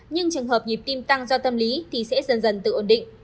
nhưng trường hợp nhịp tim tăng do tâm lý thì sẽ dần dần tự ổn định